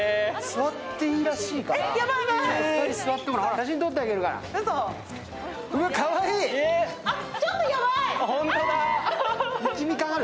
座っていいらしいから。